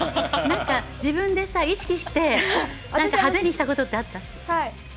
自分で意識して派手にしたことってあった？